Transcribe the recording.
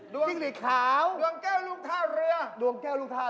ดังเป็นด้านหลังของคนของหมูขาว